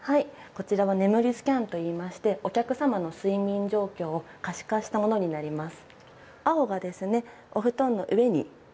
こちらは眠りスキャンといいましてお客様の睡眠状況を可視化したものになります。